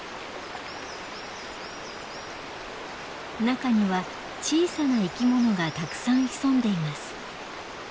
中には小さな生きものがたくさん潜んでいます。